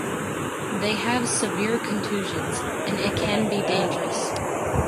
They have severe contusions, and it can be dangerous.